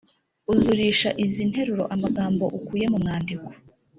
uzurisha izi nteruro amagambo ukuye mu mwandiko